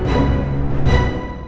dia sangat peduli